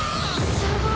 すごい。